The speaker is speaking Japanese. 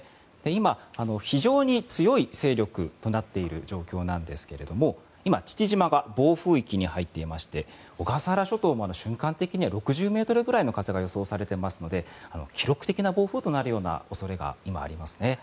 今、非常に強い勢力となっている状況なんですけれども今、父島が暴風域に入っていまして小笠原諸島まで、瞬間的には６０メートルくらいの風が予想されていますので記録的な暴風となる恐れが今、ありますね。